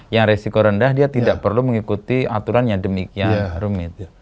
yang resiko rendah dia tidak perlu mengikuti aturan yang demikian rumit